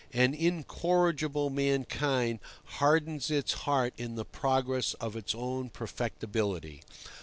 An incorrigible mankind hardens its heart in the progress of its own perfectability.